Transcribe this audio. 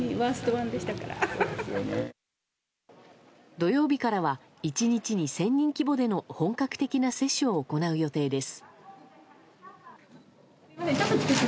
土曜日からは１日に１０００人規模での本格的な接種を行う予定です。